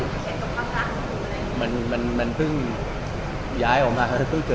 จะเริ่มรับคำใหม่ได้ไหมหรือเห็นตัวความรักของคุณอะไรอย่างนี้